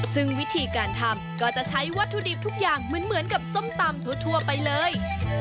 ซึ่งวิธีการทำก็จะใช้วัตถุดิบทุกอย่างเหมือนกับส้มตำทั่วไปเลย